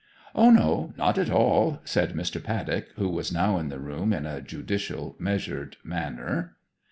'O no, not at all,' said Mr. Paddock, who was now in the room, in a judicial measured manner.